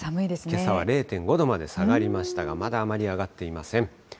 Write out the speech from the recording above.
けさは０．５度まで下がりましたが、まだあまり上がっていません。